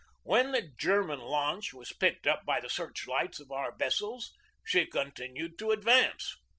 When the German launch was picked up by the search lights of our vessels she continued to advance.